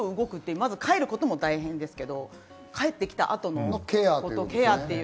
まず帰ることも大変ですけど帰って来た後のケアっていうか。